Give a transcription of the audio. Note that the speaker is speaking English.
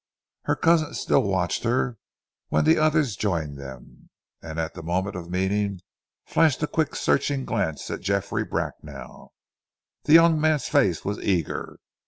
Her cousin still watched her when the others joined them, and at the moment of meeting flashed a quick searching glance at Geoffrey Bracknell. The young man's face was eager.